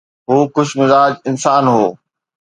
هو خوش مزاج انسان هو.